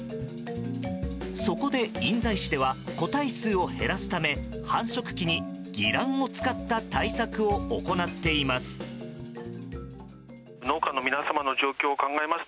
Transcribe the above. そこで印西市では個体数を減らすため繁殖期に偽卵を使った対策を行っています。